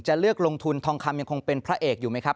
เลือกลงทุนทองคำยังคงเป็นพระเอกอยู่ไหมครับ